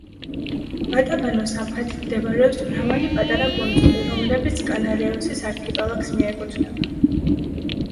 ბატაბანოს სამხრეთით მდებარეობს მრავალი პატარა კუნძული, რომლებიც კანარეოსის არქიპელაგს მიეკუთვნება.